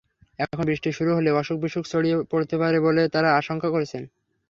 এখন বৃষ্টি শুরু হলে অসুখ-বিসুখ ছড়িয়ে পড়তে পারে বলে তাঁরা আশঙ্কা করছেন।